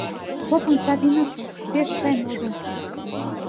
Попым Савинов пеш сай модо.